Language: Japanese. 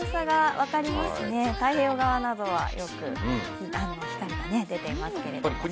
太平洋側などは光が出ていますけれども。